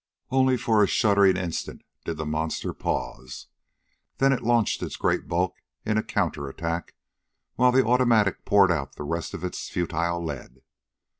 Only for a shuddering instant did the monster pause. Then it launched its great bulk in a counter attack, while the automatic poured out the rest of its futile lead.